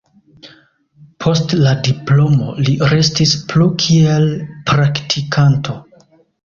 Post la diplomo li restis plu kiel praktikanto.